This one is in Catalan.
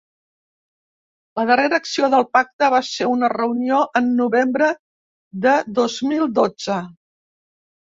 La darrera acció del pacte va ser una reunió en novembre de dos mil dotze.